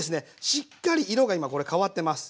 しっかり色が今これ変わってます。